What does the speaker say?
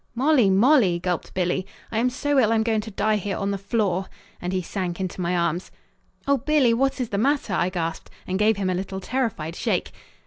"Molly, Molly," gulped Billy, "I am so ill I'm going to die here on the floor," and he sank into my arms. "Oh, Billy, what is the matter?" I gasped and gave him a little terrified shake.